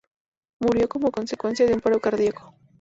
Murió como consecuencia de un paro cardíaco.